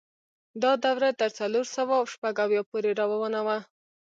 دا دوره تر څلور سوه شپږ اویا پورې روانه وه.